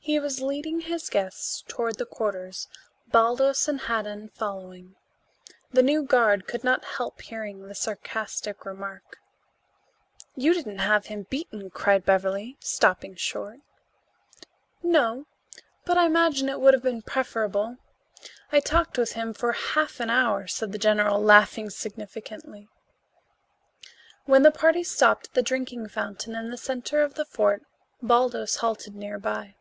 He was leading his guests toward the quarters, Baldos and Haddan following. The new guard could not help hearing the sarcastic remark. "You didn't have him beaten?" cried Beverly, stopping short. "No, but I imagine it would have been preferable. I talked with him for half an hour," said the general, laughing significantly. When the party stopped at the drinking fountain in the center of the fort, Baldos halted near by.